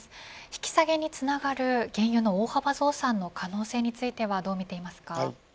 引き下げにつながる原油の大幅増産の可能性についてはどうみていますか。